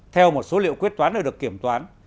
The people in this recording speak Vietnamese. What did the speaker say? theo một số liệu quyết toán đã được kiểm toán